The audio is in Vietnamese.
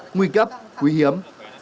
nguyên cấp quý hiếm